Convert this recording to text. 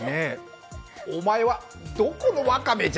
お前はどこのわかめじゃ？